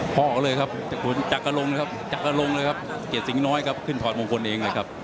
พอออกเลยครับจักรลงนะครับจักรลงเลยครับเกียรติสิงหน้อยครับขึ้นถอดมงคลเองเลยครับ